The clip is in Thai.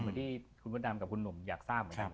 เหมือนที่คุณมดดำกับคุณหนุ่มอยากทราบเหมือนกัน